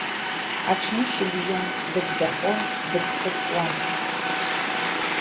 Аҽнышьыбжьон дыбзахон, дыԥсыхуан…